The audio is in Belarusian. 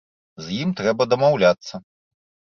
З ім трэба дамаўляцца.